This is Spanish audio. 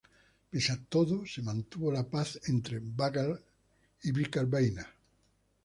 Pese a todo, se mantuvo la paz entre bagler y birkebeiner.